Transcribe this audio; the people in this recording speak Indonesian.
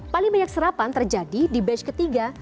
paling banyak serapan terjadi di batch ketiga